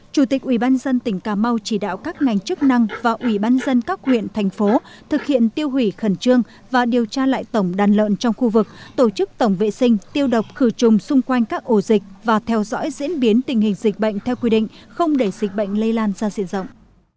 chủ tịch ubnd tỉnh cà mau chỉ đạo các ngành chức năng và ủy ban dân các huyện thành phố thực hiện tiêu hủy khẩn trương và điều tra lại tổng đàn lợn trong khu vực tổ chức tổng vệ sinh tiêu độc khử trùng xung quanh các ổ dịch và theo dõi diễn biến tình hình dịch bệnh theo quy định không để dịch bệnh lây lan ra diện rộng